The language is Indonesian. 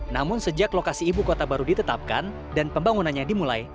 namun sejak lokasi ibu kota baru ditetapkan dan pembangunannya dimulai